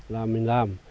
là mình làm